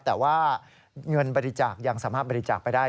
แต่ว่าเงินบริจาคยังสามารถบริจาคไปได้